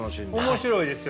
面白いですよね。